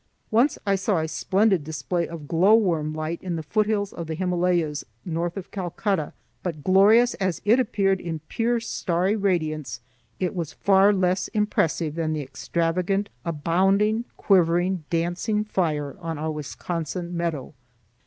Once I saw a splendid display of glow worm light in the foothills of the Himalayas, north of Calcutta, but glorious as it appeared in pure starry radiance, it was far less impressive than the extravagant abounding, quivering, dancing fire on our Wisconsin meadow.